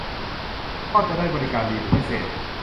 ก็จะได้บริการดีเป็นพิเศษ